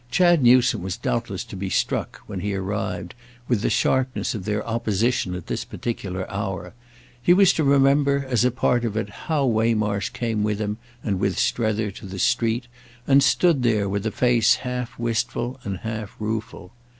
Chad Newsome was doubtless to be struck, when he arrived, with the sharpness of their opposition at this particular hour; he was to remember, as a part of it, how Waymarsh came with him and with Strether to the street and stood there with a face half wistful and half rueful.